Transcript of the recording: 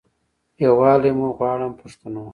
یووالی مو غواړم پښتنو.